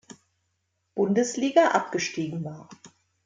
Bundesliga abgestiegen war.